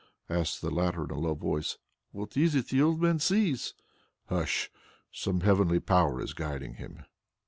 asked the latter in a low voice. "What is it the old man sees there?" "Hush! Some heavenly power is guiding him."